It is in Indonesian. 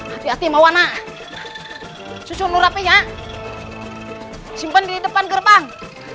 hati hati mawana susun nurapnya simpan di depan gerbang